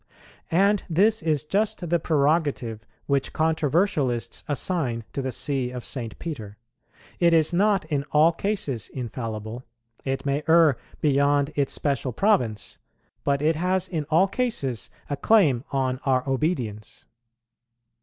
And this is just the prerogative which controversialists assign to the See of St. Peter; it is not in all cases infallible, it may err beyond its special province, but it has in all cases a claim on our obedience.